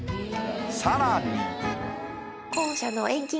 さらに。